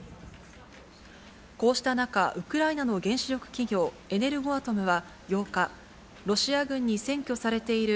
こうした中、ウクライナの原子力企業、エネルゴアトムは８日、ロシア軍に占拠されている